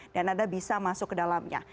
dan anda bisa masuk ke dalamnya